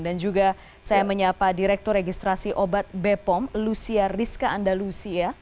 dan juga saya menyapa direktur registrasi obat bepom lucia rizka andalusi